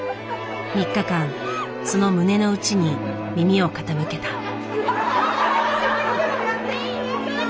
３日間その胸の内に耳を傾けた。